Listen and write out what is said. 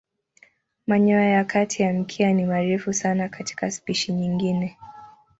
Manyoya ya kati ya mkia ni marefu sana katika spishi nyingine.